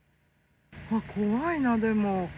わっ、怖いな、でも。